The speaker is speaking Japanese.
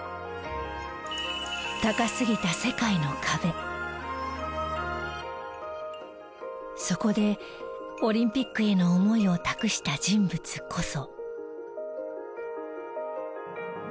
高すぎたそこでオリンピックへの思いを託した人物こそ。